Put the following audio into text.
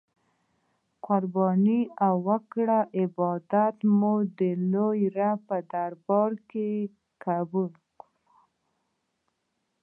قربانې او کړی عبادات مو د لوی رب په دربار کی قبول شه.